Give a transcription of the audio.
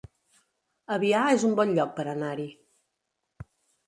Avià es un bon lloc per anar-hi